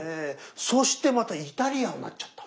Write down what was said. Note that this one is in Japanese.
そしてまたイタリアンになっちゃった。